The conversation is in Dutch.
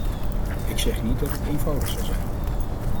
Ik zeg niet dat het eenvoudig zal zijn.